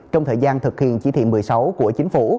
trong thời gian thực hiện chỉ thị một mươi sáu của chính phủ